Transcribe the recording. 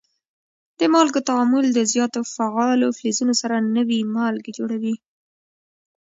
د مالګو تعامل د زیاتو فعالو فلزونو سره نوي مالګې جوړوي.